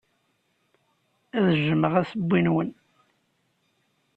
Ad jjmeɣ assewwi-nwen.